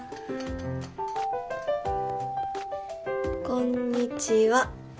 「こんにちは。